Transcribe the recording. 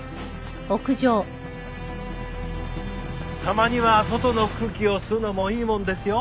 たまには外の空気を吸うのもいいもんですよ。